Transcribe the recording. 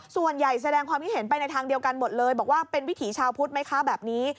แสดงความคิดเห็นไปในทางเดียวกันหมดเลยบอกว่าเป็นวิถีชาวพุทธไหมคะแบบนี้